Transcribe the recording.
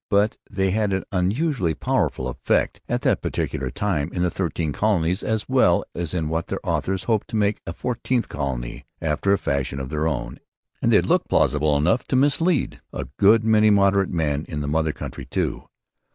But they had an unusually powerful effect at that particular time in the Thirteen Colonies as well as in what their authors hoped to make a Fourteenth Colony after a fashion of their own; and they looked plausible enough to mislead a good many moderate men in the mother country too.